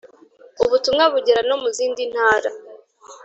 Ubutumwa bugera no mu zindi ntara